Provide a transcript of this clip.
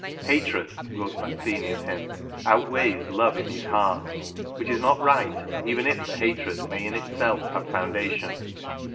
" Hatred," wrote Mazzini of him, " outweighs love in his heart, which is not" right even if the hatred may in itself have foundation."